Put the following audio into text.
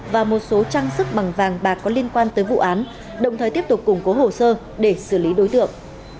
và một số trang sức bằng vàng bạc có liên quan tới vụ án đồng thời tiếp tục củng cố hồ sơ để xử lý đối tượng